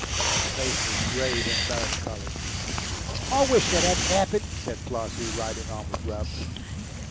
His face was grave and melancholy. "I WISH that 'adn't 'appened," said Flossie, riding on with Grubb....